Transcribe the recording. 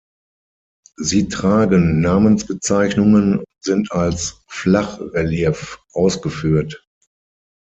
Sie tragen Namensbezeichnungen und sind als Flachrelief ausgeführt.